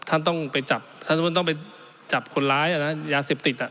ท่านต้องไปจับท่านต้องไปจับคนร้ายยาเสพติด